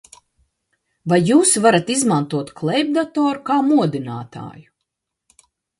Vai jūs varat izmantot klēpjdatoru kā modinātāju?